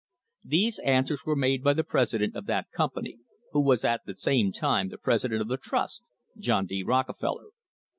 These answers were made by the president of that company, who was at the same time the president of the trust, John D. Rockefeller.